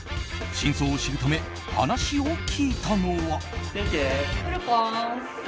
真相を知るため話を聞いたのは。